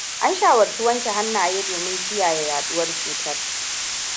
An shawarci wanke hannaye domin kiyaye yaduwar cutar.